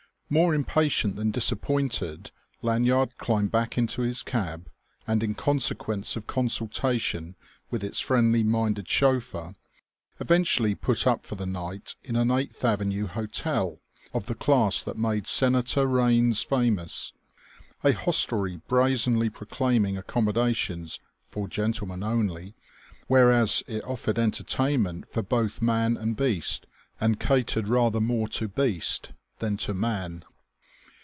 More impatient than disappointed, Lanyard climbed back into his cab, and in consequence of consultation with its friendly minded chauffeur, eventually put up for the night in an Eighth Avenue hotel of the class that made Senator Raines famous, a hostelry brazenly proclaiming accommodations "for gentlemen only," whereas it offered entertainment for both man and beast and catered rather more to beast than to man.